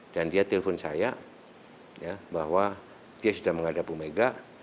dan dia telpon saya bahwa dia sudah menghadapi ibu mega